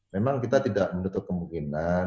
memang kita tidak menutup kemungkinan